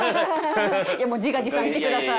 もう自画自賛してください。